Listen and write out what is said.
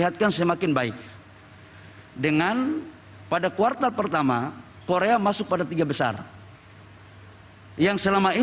khususnya keperluan ekonomi dan teknologi